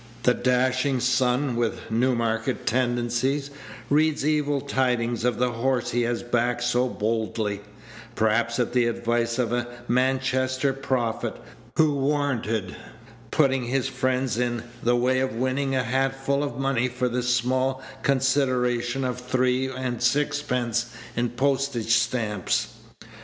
The dashing son, with Newmarket tendencies, reads evil tidings of the horse he has backed so boldly, perhaps at the advice of a Manchester prophet, who warranted putting his friends in the way of winning a hatful of money for the small consideration of three and sixpence in postage stamps.